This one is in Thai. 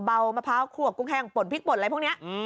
เบามะพร้าวคลวกกุ้งแห้งป่นพริกป่นอะไรพวกเนี้ยอืม